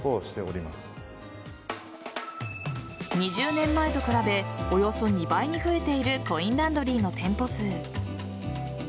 ２０年前と比べおよそ２倍に増えているコインランドリーの店舗数。